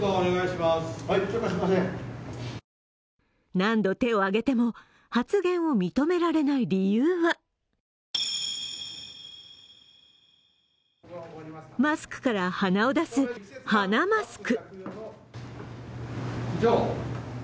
何度手を挙げても発言を認められない理由はマスクから鼻を出す、鼻マスク。